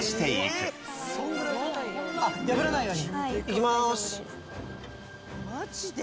行きます。